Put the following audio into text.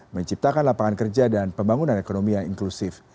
menciptakan lapangan kerja dan pembangunan ekonomi yang inklusif